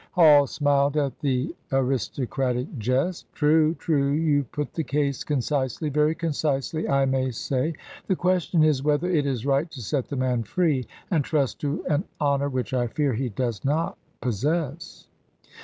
Hall smiled at the aristocratic jest. "True true; you put the case concisely very concisely, I may say. The question is, whether it is right to set the man free, and trust to an honour which I fear he does not possess."